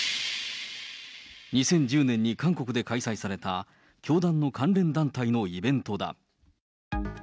２０１０年に韓国で開催された、教団の関連団体のイベントだ。